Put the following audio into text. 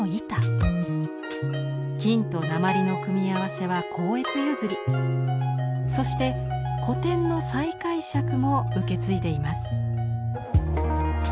金と鉛の組み合わせは光悦譲りそして古典の再解釈も受け継いでいます。